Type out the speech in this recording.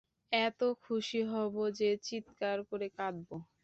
এত খুশি হব যে চিৎকার করে কাঁদব।